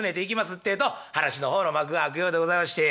ってえと噺の方の幕が開くようでございまして。